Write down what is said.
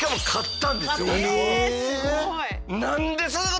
えすごい！